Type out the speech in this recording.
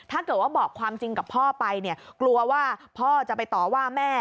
ถ้าเกิดว่าบอกความจริงกับพ่อไปเนี่ยกลัวว่าพ่อจะไปต่อว่าแม่